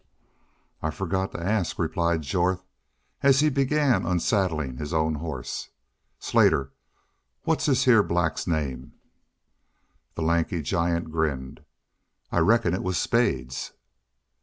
"I forgot to ask," replied Jorth, as he began unsaddling his own horse. "Slater, what's this heah black's name?" The lanky giant grinned. "I reckon it was Spades."